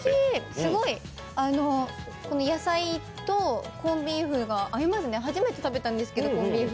すごい野菜とコンビーフが合いますね、初めて食べたんですけどコンビーフ。